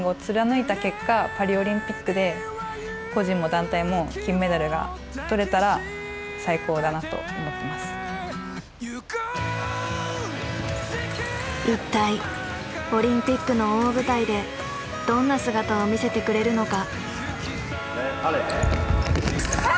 結局もうそこはぶらさずに一体オリンピックの大舞台でどんな姿を見せてくれるのか。